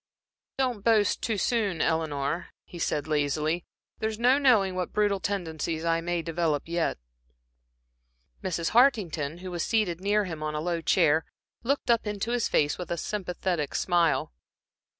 "Don't boast too soon, Eleanor," he said, lazily, "there's no knowing what brutal tendencies I may develop yet." Mrs. Hartington, who was seated near him on a low chair, looked up into his face with a sympathetic smile.